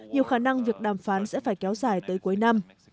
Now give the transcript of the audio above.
nhiều khả năng việc đàm phán sẽ phải kéo dài tới cuối năm